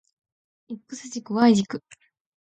X 軸 Y 軸